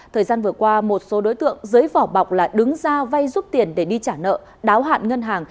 thời gian vừa qua một số đối tượng dưới vỏ bọc là đứng ra vay rút tiền để đi trả nợ đáo hạn ngân hàng